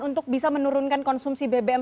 untuk bisa menurunkan konsumsi bbm